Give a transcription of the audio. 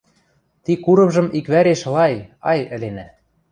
Ти курымжым иквӓреш-лай, ай, ӹленӓ.